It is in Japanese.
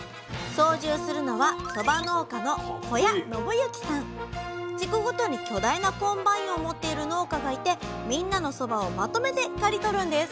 操縦するのは地区ごとに巨大なコンバインを持っている農家がいてみんなのそばをまとめて刈り取るんです